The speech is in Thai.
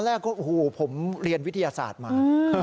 แล้วก็เรียกเพื่อนมาอีก๓ลำ